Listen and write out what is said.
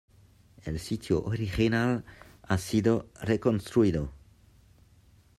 El sitio original ha sido reconstruido.